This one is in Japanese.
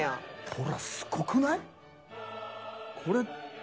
ほらすごくない？